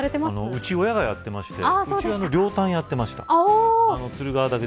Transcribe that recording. うちは親がやっていましてうちは両端やっていました。